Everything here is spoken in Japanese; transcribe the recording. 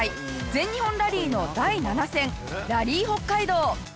全日本ラリーの第７戦ラリー北海道。